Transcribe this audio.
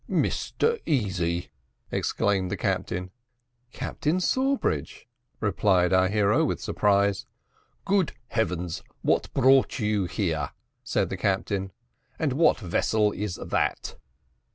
"Mr Easy!" exclaimed the captain. "Captain Sawbridge?" replied our hero with surprise. "Good heavens! what brought you here!" said the captain; "and what vessel is that?"